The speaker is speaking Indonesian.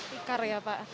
tikar ya pak